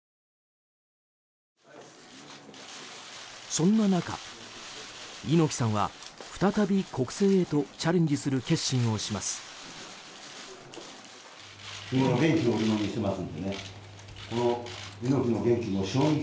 そんな中、猪木さんは再び国政へとチャレンジする決心をします。